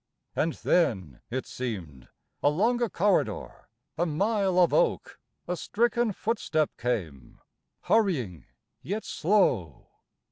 And then, it seemed, along a corridor, A mile of oak, a stricken footstep came. Hurrying, yet slow